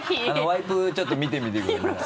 ワイプちょっと見てみてください。